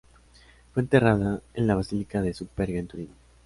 Fue enterrada en la Basílica de Superga en Turín.